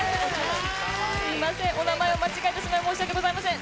すみません、お名前を間違えてしまい、申し訳ございません。